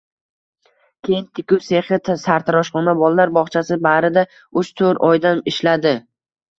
Keyin tikuv sexi, sartaroshxona, bolalar bog`chasi barida uch-to`rt oydan ishladi